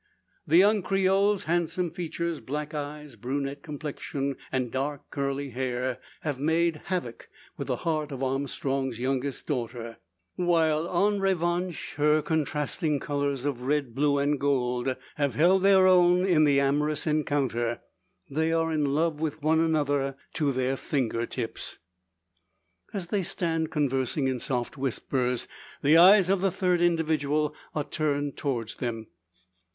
The young Creole's handsome features, black eyes, brunette complexion, and dark curly hair have made havoc with the heart of Armstrong's youngest daughter; while, en revanche, her contrasting colours of red, blue, and gold have held their own in the amorous encounter. They are in love with one another to their finger tips. As they stand conversing in soft whispers, the eyes of the third individual are turned towards them.